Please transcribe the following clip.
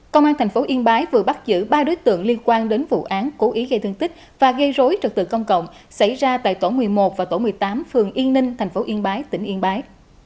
công an tp yên bái vừa bắt giữ ba đối tượng liên quan đến vụ án cố ý gây thương tích và gây rối trật tự công cộng xảy ra tại tổ một mươi một và tổ một mươi tám phường yên ninh tp yên bái tỉnh yên bái